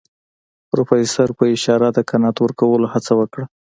پروفيسر په اشارو د قناعت ورکولو هڅه وکړه.